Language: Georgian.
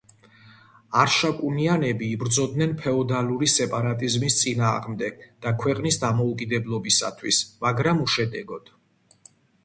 არშაკუნიანები იბრძოდნენ ფეოდალური სეპარატიზმის წინააღმდეგ და ქვეყნის დამოუკიდებლობისათვის, მაგრამ უშედეგოდ.